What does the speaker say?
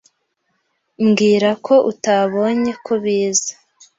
Mbwira ko utabonye ko biza.